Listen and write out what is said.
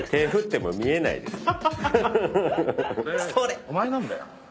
俺お前なんだよ。